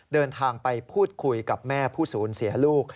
เดินทางไปพูดคุยกับแม่ผู้สูญเสียลูก